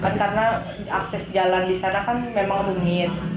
karena akses jalan di sana kan memang rumit